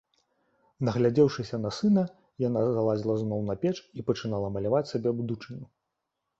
Нагледзеўшыся на сына, яна залазіла зноў на печ і пачынала маляваць сабе будучыню.